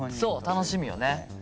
楽しみよね。